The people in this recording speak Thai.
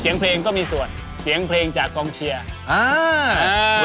เสียงเพลงก็มีส่วนเสียงเพลงจากกองเชียร์อ่า